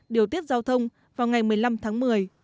điều tiết giao thông vào ngày một mươi năm tháng một mươi